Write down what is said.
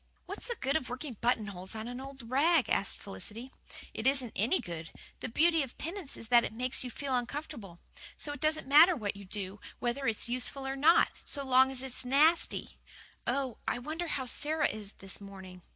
"What's the good of working buttonholes on an old rag?" asked Felicity. "It isn't any good. The beauty of penance is that it makes you feel uncomfortable. So it doesn't matter what you do, whether it's useful or not, so long as it's nasty. Oh, I wonder how Sara is this morning."